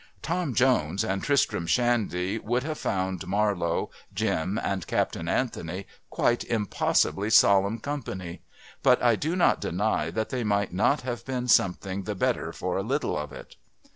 Tom Jones and Tristram Shandy would have found Marlowe, Jim and Captain Anthony quite impossibly solemn company but I do not deny that they might not have been something the better for a little of it.